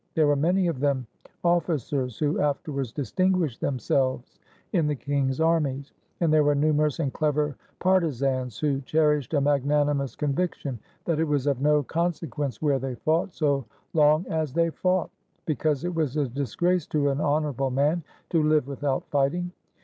There were many of them ojB&cers who after wards distinguished themselves in the king's armies; and there were nimierous and clever partisans, who cher ished a magnanimous conviction that it was of no con sequence where they fought, so long as they fought, be cause it was a disgrace to an honorable man to live without fighting.